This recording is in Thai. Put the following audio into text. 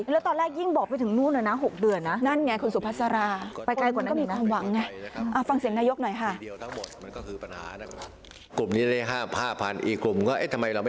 แล้วตอนแรกยิ่งบอกไปถึงนู่นน่ะนะ๖เดือนน่ะ